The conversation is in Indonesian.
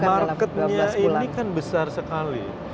marketnya ini kan besar sekali